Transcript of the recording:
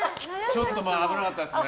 ちょっと危なかったですね。